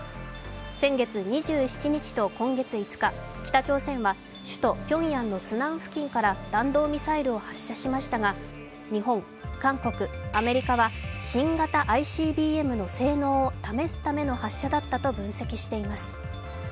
先月２７日と今月５日、北朝鮮は首都ピョンヤンのスナン付近から弾道ミサイルを発射しましたが日本、韓国、アメリカは新型ＩＣＢＭの性能を試すための発射だったと分析しています。